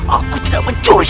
aku tidak mencuri